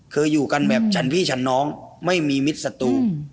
อยู่กันแบบฉันพี่ชันน้องไม่มีมิตรสตู